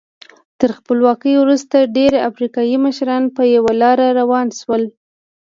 تر خپلواکۍ وروسته ډېری افریقایي مشران په یوه لار روان شول.